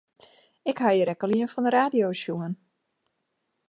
Ik ha hjir ek al ien fan de radio sjoen.